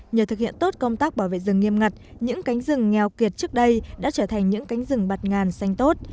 nhờ thực hiện tốt công tác bảo vệ rừng nghiêm ngặt những cánh rừng nghèo kiệt trước đây đã trở thành những cánh rừng bặt ngàn xanh tốt